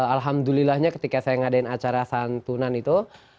alhamdulillahnya ketika saya ngadain acara santunan itu